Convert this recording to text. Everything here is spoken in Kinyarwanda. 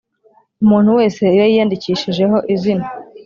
Umuntu wese iyo yiyandikishijeho izina